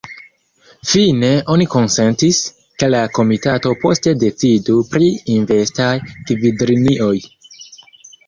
Fine oni konsentis, ke la komitato poste decidu pri investaj gvidlinioj.